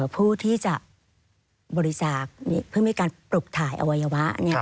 ผู้ที่จะบริจาคเพื่อมีการปลุกถ่ายอวัยวะ